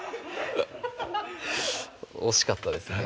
惜しかったですね